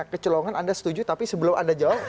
kecolongan anda setuju tapi sebelum anda jawab